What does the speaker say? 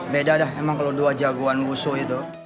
beda dah memang kalau dua jagoan wushu itu